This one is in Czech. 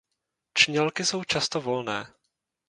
Čnělky jsou často volné.